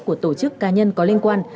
của tổ chức cá nhân có liên quan